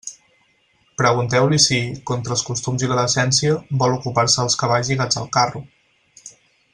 Pregunteu-li si, contra els costums i la decència, vol ocupar-se dels cavalls lligats al carro.